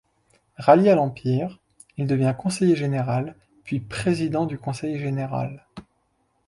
Rallié à l'Empire, il devient conseiller général, puis président du conseil général.